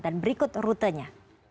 dan berikut rutanya